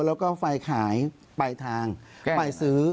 แล้วก็ไฟล์ขายไฟล์ทางไฟล์ซื้อ